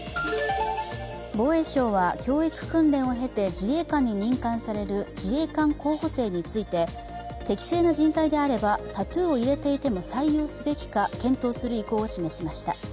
防衛省は教育訓練を経て自衛官に任官される自衛官候補生について適正な人材であればタトゥーを売れていても採用すべきか検討する意向を示しました。